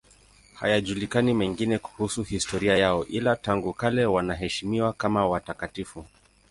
Hayajulikani mengine kuhusu historia yao, ila tangu kale wanaheshimiwa kama watakatifu.